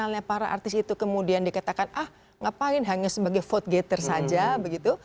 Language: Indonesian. misalnya para artis itu kemudian dikatakan ah ngapain hanya sebagai vote gathere saja begitu